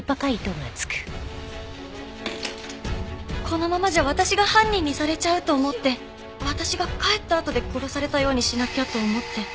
このままじゃ私が犯人にされちゃうと思って私が帰ったあとで殺されたようにしなきゃと思って。